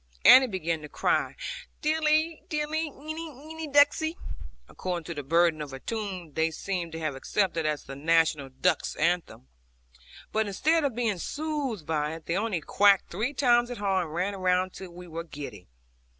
Annie began to cry 'Dilly, dilly, einy, einy, ducksey,' according to the burden of a tune they seem to have accepted as the national duck's anthem; but instead of being soothed by it, they only quacked three times as hard, and ran round till we were giddy.